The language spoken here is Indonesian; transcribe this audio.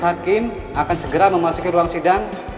hakim akan segera memasuki ruang sidang